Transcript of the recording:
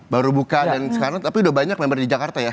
baru buka dan sekarang tapi udah banyak lebar di jakarta ya